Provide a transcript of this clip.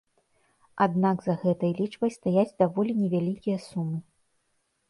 Аднак за гэтай лічбай стаяць даволі невялікія сумы.